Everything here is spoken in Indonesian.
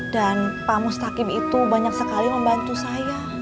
dan pak mustaqim itu banyak sekali membantu saya